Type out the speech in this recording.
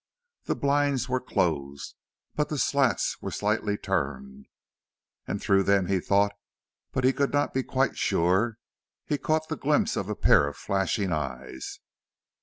The blinds were closed, but the slats were slightly turned, and through them he thought, but he could not be quite sure, he caught the glimpse of a pair of flashing eyes.